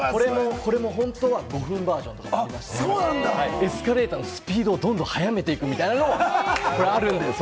これも本当は５分バージョンがあって、エスカレーターのスピードをどんどん速めていくみたいなのがあるんです。